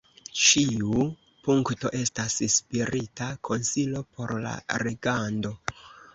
Ĉiu punkto estas spirita konsilo por la leganto.